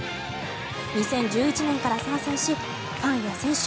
２０１１年から参戦しファンや選手